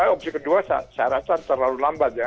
opsi kedua saya rasa terlalu lambat ya